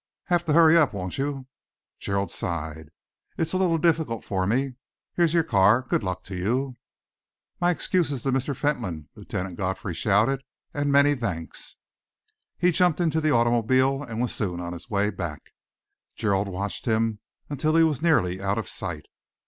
"Have to hurry up, won't you?" Gerald sighed. "It's a little difficult for me. Here's your car. Good luck to you!" "My excuses to Mr. Fentolin," Lieutenant Godfrey shouted, "and many thanks." He jumped into the automobile and was soon on his way back. Gerald watched him until he was nearly out of sight.